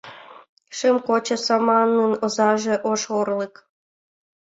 Шем кочо саманын озаже — ош орлык.